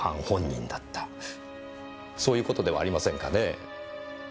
そういう事ではありませんかね？